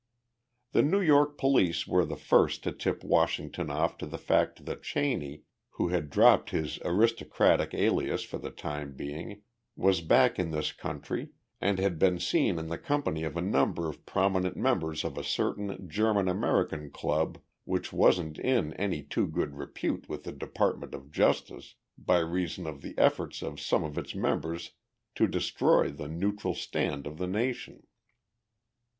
The New York police were the first to tip Washington off to the fact that Cheney, who had dropped his aristocratic alias for the time being, was back in this country and had been seen in the company of a number of prominent members of a certain German American club which wasn't in any too good repute with the Department of Justice by reason of the efforts of some of its members to destroy the neutral stand of the nation.